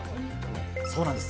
そうなんです。